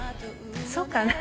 そうかな？